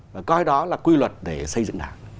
và coi đó là quy luật để xây dựng đảng